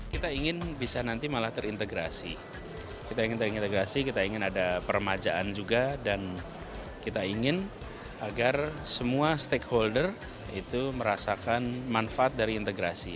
kita ingin bisa nanti malah terintegrasi kita ingin terintegrasi kita ingin ada permajaan juga dan kita ingin agar semua stakeholder itu merasakan manfaat dari integrasi